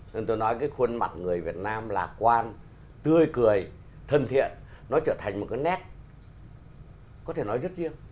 nên tôi nói cái khuôn mặt người việt nam lạc quan tươi cười thân thiện nó trở thành một cái nét có thể nói rất riêng